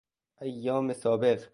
ایام سابق